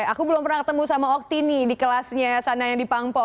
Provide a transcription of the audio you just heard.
aku belum pernah ketemu sama okti nih di kelasnya sana yang di pangpo